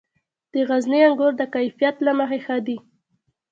د غزني انګور د کیفیت له مخې ښه دي.